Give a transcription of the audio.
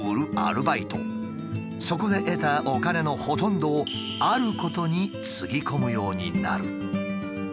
そこで得たお金のほとんどをあることにつぎ込むようになる。